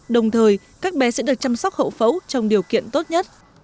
đồng thời các bé sẽ được chăm sóc hậu phẫu trong điều kiện tốt nhất